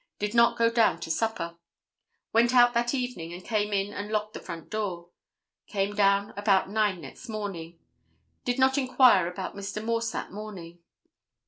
Did not go down to supper. Went out that evening and came in and locked the front door. Came down about 9 next morning. Did not inquire about Mr. Morse that morning.